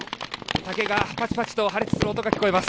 竹がパチパチと破裂する音が聞こえます。